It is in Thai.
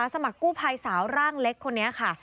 สมัครกู้ภัยสาวร่างเล็กคนนี้ค่ะ